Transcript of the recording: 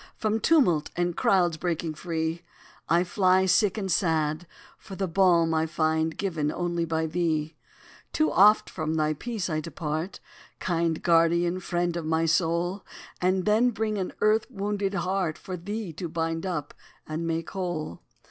From tumult and crowds breaking free, I fly, sick and sad, for the balm I find given only by thee. Too oft from thy peace I depart, Kind guardian, friend of my soul, And then bring an earth wounded heart For thee to bind up and make whole.